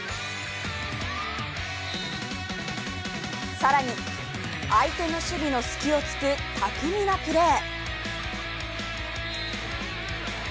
更に相手の守備の隙を突く巧みなプレー。